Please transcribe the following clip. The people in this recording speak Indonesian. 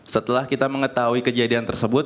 setelah kita mengetahui kejadian tersebut